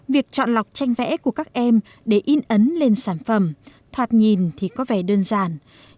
việc chọn lọc tranh vẽ của các em để in ấn lên sản phẩm thoạt nhìn thì có vẻ đơn giản